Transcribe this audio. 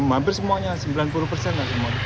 hampir semuanya sembilan puluh persen